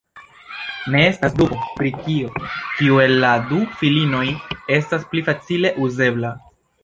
Ne estas dubo, pri tio, kiu el la du difinoj estas pli facile uzebla...